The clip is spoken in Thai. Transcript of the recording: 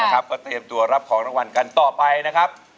ก็เตรียมตัวรับของรางวัลกันต่อไปนะครับ